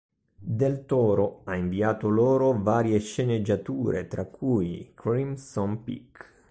Del Toro ha inviato loro varie sceneggiature, tra cui "Crimson Peak".